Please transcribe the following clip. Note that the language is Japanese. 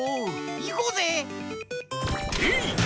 いこうぜ！てい！